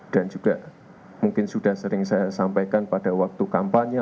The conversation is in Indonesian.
dan juga mungkin sudah sering saya sampaikan pada waktu kampanye